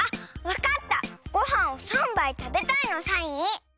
ごはんを３ばいたべたいのサイン！